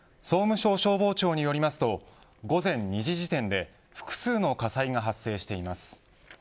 総務省消防庁によりますと午前２時時点で複数の火災が発生しています。